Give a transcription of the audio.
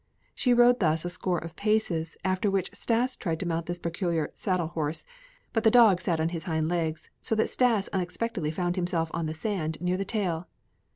She rode thus a score of paces, after which Stas tried to mount this peculiar "saddle horse," but the dog sat on his hind legs so that Stas unexpectedly found himself on the sand near the tail.